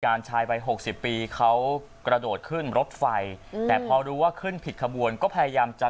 ชายวัยหกสิบปีเขากระโดดขึ้นรถไฟแต่พอรู้ว่าขึ้นผิดขบวนก็พยายามจะ